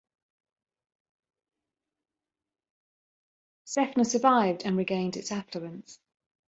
Seffner survived and regained its affluence.